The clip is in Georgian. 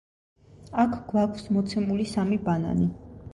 აქ გვაქვს მოცემული სამი ბანანი.